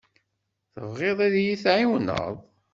Tebɣiḍ ad iyi-tɛiwneḍ?